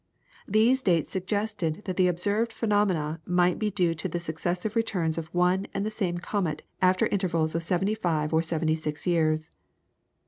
These dates suggested that the observed phenomena might be due to the successive returns of one and the same comet after intervals of seventy five or seventy six years.